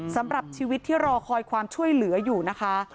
สำหรับชีวิตที่รอคอยความช่วยเหลืออยู่นะคะ